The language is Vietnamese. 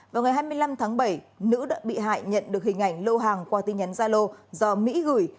vào ngày hai mươi năm tháng bảy nữ bị hại nhận được hình ảnh lô hàng qua tin nhắn gia lô do mỹ gửi